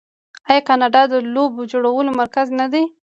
آیا کاناډا د لوبو جوړولو مرکز نه دی؟